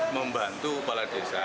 membantu kepala desa